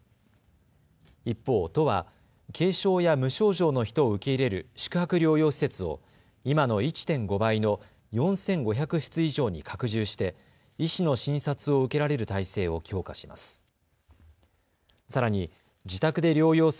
一方、都は軽症や無症状の人を受け入れる宿泊療養施設を今の１．５倍の４５００室以上に拡充して医師の診察を受けられる体制を強化します。